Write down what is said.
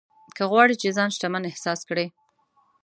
که غواړې چې ځان شتمن احساس کړې.